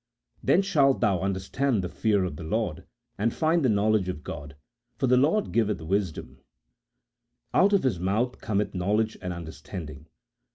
. then shalt thou understand the fear of the Lord, and find the knowledge of God ; for the Lord giveth wisdom ; out of His mouth cometh knowledge and understanding."